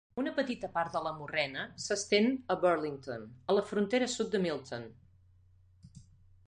Una petita part de la morrena s'estén a Burlington, a la frontera sud de Milton.